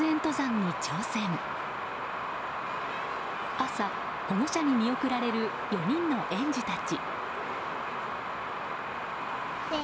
朝、保護者に見送られる４人の園児たち。